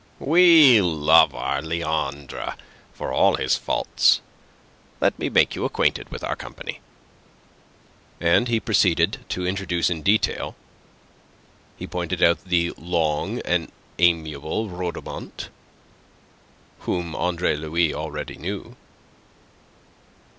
We love our Leandre, for all his faults. Let me make you acquainted with our company." And he proceeded to introduction in detail. He pointed out the long and amiable Rhodomont, whom Andre Louis already knew.